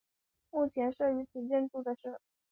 目前设于此建筑的是意大利西雅那银行。